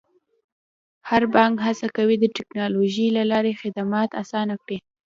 هر بانک هڅه کوي د ټکنالوژۍ له لارې خدمات اسانه کړي.